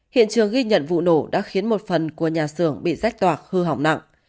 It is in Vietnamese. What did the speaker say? hiện trường ghi nhận vụ nổ đã khiến một phần của nhà xưởng bị rách toạc hư hỏng nặng